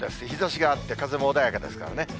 日ざしがあって、風も穏やかですからね。